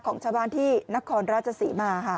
ของชาวบ้านที่นครราชศรีมาค่ะ